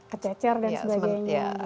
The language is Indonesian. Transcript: kececer dan sebagainya